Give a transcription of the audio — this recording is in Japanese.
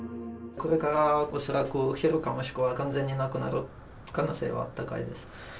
これから恐らく減るか、もしくは完全になくなる可能性は高いです。